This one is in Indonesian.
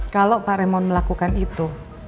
kalau pak remon melakukan itu